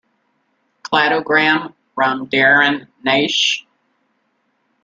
Cladogram from Darren Naish.